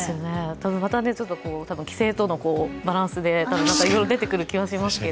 また規制とのバランスでいろいろ出てくる気がしますが